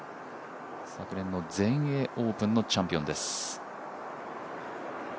昨年の全英オープンのチャンピオンです。